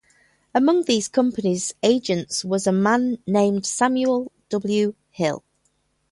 Among these company agents was a man named Samuel W. Hill.